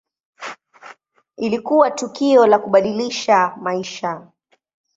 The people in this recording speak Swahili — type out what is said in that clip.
Ilikuwa tukio la kubadilisha maisha.